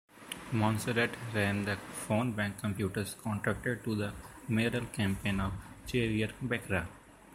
Monserratt ran the phone-bank computers contracted to the mayoral campaign of Xavier Becerra.